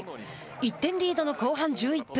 １点リードの後半１１分